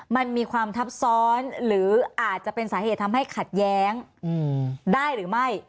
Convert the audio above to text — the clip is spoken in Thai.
มันมีความทับซ้อนหรืออาจจะเป็นสาเหตุทำให้ขัดแย้งได้หรือไม่